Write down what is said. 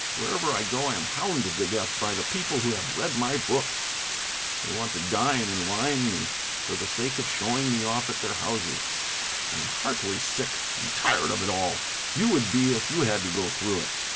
Wherever I go I am hounded to death by the people who have read my books, and they want to dine and wine me for the sake of showing me off at their houses. I am heartily sick and tired of it all; you would be if you had to go through it.